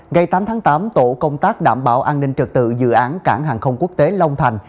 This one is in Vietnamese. ngày tám tháng tám tổ công tác đảm bảo an ninh trật tự dự án cảng hàng không quốc tế long thành